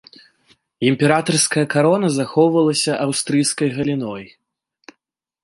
Імператарская карона захоўвалася аўстрыйскай галіной.